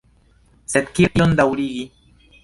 Sed kiel tion daŭrigi?